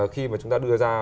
khi mà chúng ta đưa ra